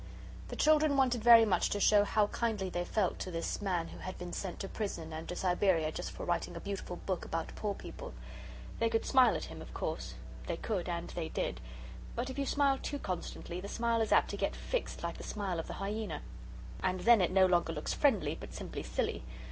The children wanted very much to show how kindly they felt to this man who had been sent to prison and to Siberia just for writing a beautiful book about poor people. They could smile at him, of course; they could and they did. But if you smile too constantly, the smile is apt to get fixed like the smile of the hyaena. And then it no longer looks friendly, but simply silly.